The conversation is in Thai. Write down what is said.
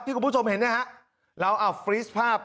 ที่คุณผู้ชมเห็นนะครับเราเอาฟรีซภาพ